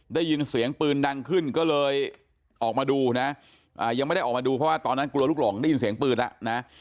ได้ยินเสียงปืนดังขึ้นก็เลยออกมาดูนะยังไม่ได้ออกมาดูเพราะว่าตอนนั้นกลัวลูกหลงได้ยินเสียงปืนแล้วนะ